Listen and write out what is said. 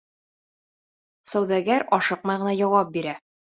Сауҙагәр ашыҡмай ғына яуап бирә: